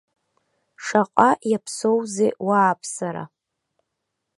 Шаҟа иаԥсоузеи уааԥсара?